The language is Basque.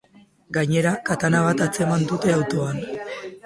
Gainera, katana bat atzeman dute autoan.